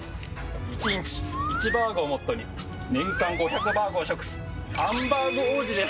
１日１バーグをモットーに、年間５００バーグを食すハンバーグ王子です。